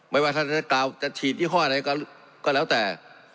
ไม่ว่าถ้าอะไรตาวจะฉีดที่ห้อนะก็แล้วแต่